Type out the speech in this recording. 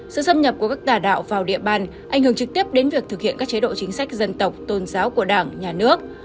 sự xâm nhập của các tà đạo vào địa bàn ảnh hưởng trực tiếp đến việc thực hiện các chế độ chính sách dân tộc tôn giáo của đảng nhà nước